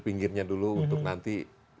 pinggirnya dulu untuk nanti